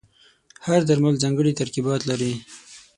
هر درمل ځانګړي ترکیبات لري.